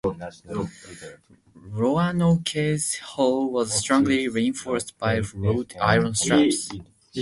"Roanoke"s hull was strongly reinforced by wrought iron straps.